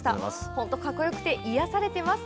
本当にかっこよくて癒やされています。